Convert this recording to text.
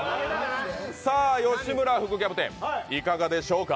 さあ、吉村副キャプテンいかがでしょうか。